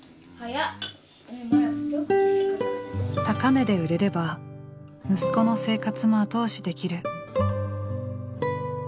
高値で売れれば息子の生活も後押しできる。